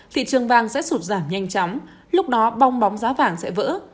thị trường vàng sẽ sụt giảm nhanh chóng lúc đó bong bóng giá vàng sẽ vỡ